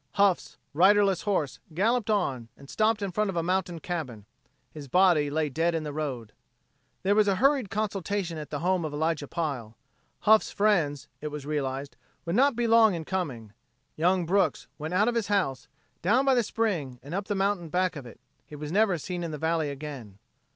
Huff's riderless horse galloped on and stopped in front of a mountain cabin; his body lay dead in the road. There was a hurried consultation at the home of Elijah Pile. Huff's friends, it was realized, would not be long in coming. Young Brooks went out of the house, down by the spring, and up the mountain back of it. He was never seen in the valley again.